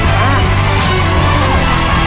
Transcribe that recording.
สวัสดีครับ